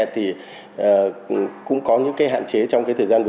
thì cũng có những hạn chế trong thời gian vừa qua